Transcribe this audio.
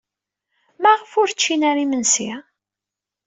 Maɣef ur ččin ara imensi?